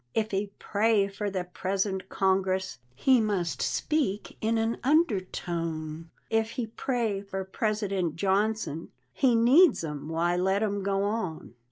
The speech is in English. If he pray for the present Congress, He must speak in an undertone; If he pray for President Johnson, He NEEDS 'em, why let him go on.